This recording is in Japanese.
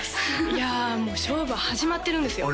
いやもう勝負は始まってるんですよ